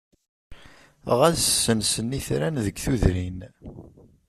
Ɣas ssensen itran deg tudrin.